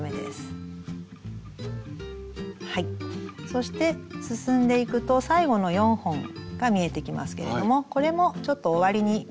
そして進んでいくと最後の４本が見えてきますけれどもこれもちょっと終わりに向けて斜めにカットしておきます。